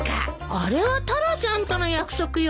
あれはタラちゃんとの約束よ。